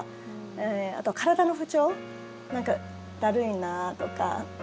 あとは体の不調、だるいなとか。